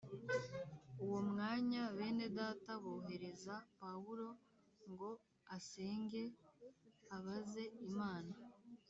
Uwo mwanya bene Data bohereza Pawulo ngo asenge abaze Imana.